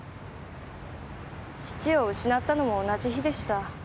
父を失ったのも同じ日でした。